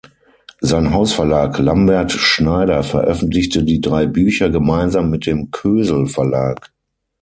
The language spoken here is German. Sein Hausverlag Lambert Schneider veröffentlichte die drei Bücher gemeinsam mit dem Kösel-Verlag.